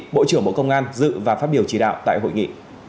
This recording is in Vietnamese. bộ trưởng bộ công an dự và phát biểu chỉ đạo tại hội nghị